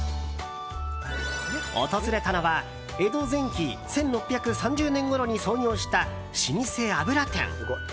訪れたのは江戸前期１６３０年ごろに創業した老舗油店。